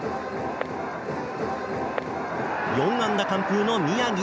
４安打完封の宮城。